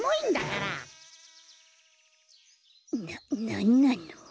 ななんなの。